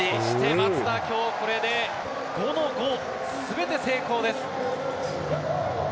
松田きょう、これで５の５、すべて成功です。